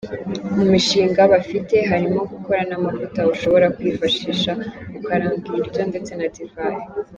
Mu mishinga bafite, harimo gukora n’amavuta ushobora kwifashisha ukaranga ibiryo ndetse na divayi.